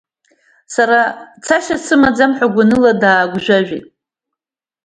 Сара цашьа сымаӡам ҳәа, гәаныла даацәажәеит.